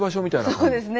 そうですね。